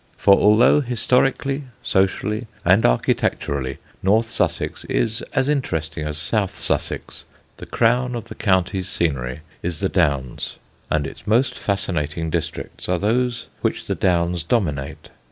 For although historically, socially, and architecturally north Sussex is as interesting as south Sussex, the crown of the county's scenery is the Downs, and its most fascinating districts are those which the Downs dominate.